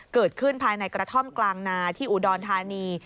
เกิดขึ้นภายในกระท่อมกลางนาที่อุดรธานี